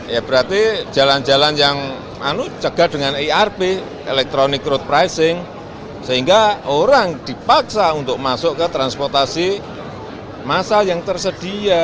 ya berarti jalan jalan yang cegah dengan irp elektronik road pricing sehingga orang dipaksa untuk masuk ke transportasi massal yang tersedia